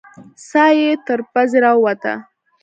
ساه يې تر پزې راووته.